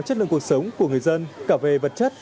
chất lượng cuộc sống của người dân cả về vật chất